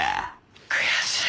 悔しい。